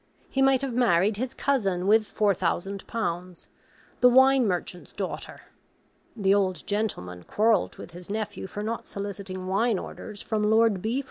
He might have married his cousin with four thousand pounds, the wine merchant's daughter (the old gentleman quarrelled with his nephew for not soliciting wine orders from Lord B.